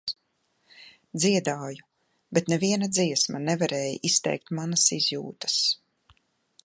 Dziedāju, bet neviena dziesma nevarēja izteikt manas izjūtas.